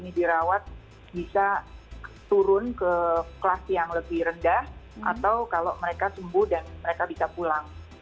yang dirawat bisa turun ke kelas yang lebih rendah atau kalau mereka sembuh dan mereka bisa pulang